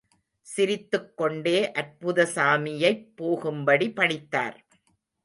சிரித்துக் கொண்டே அற்புதசாமியைப் போகும்படி பணித்தார்.